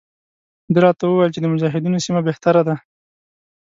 ده راته وویل چې د مجاهدینو سیمه بهتره ده.